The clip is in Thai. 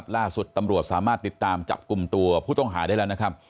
ล่าสุดตำรวจสามารถติดตามจับกลุ่มตัวผู้ต้องหาได้แล้วนะครับ